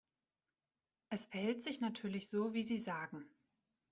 Es verhält sich natürlich so, wie Sie sagen.